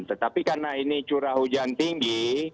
tetapi karena ini curah hujan tinggi